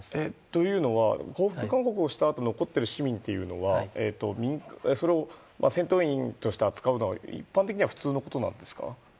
というのは降伏勧告をしたあと残っている市民を戦闘員として扱うのは一般的には普通のことなんですか？